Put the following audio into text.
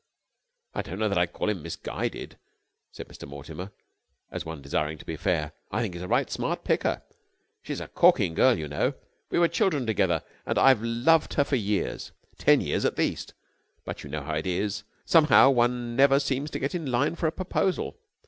"I don't know that I'd call him misguided," said Mr. Mortimer, as one desiring to be fair, "I think he's a right smart picker! She's such a corking girl, you know. We were children together, and I've loved her for years. Ten years at least. But you know how it is somehow one never seems to get in line for a proposal.